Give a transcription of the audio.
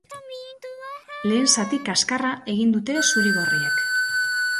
Lehen zati kaskarra egin dute zuri-gorriek.